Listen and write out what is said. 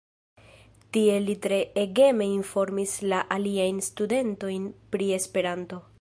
Tie li tre ageme informis la aliajn studentojn pri Esperanto.